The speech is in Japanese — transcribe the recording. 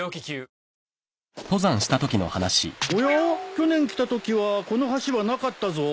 去年来たときはこの橋はなかったぞ。